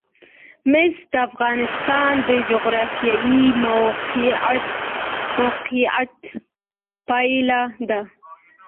مس د افغانستان د جغرافیایي موقیعت پایله ده.